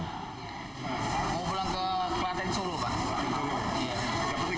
mau pulang ke kelantan suru pak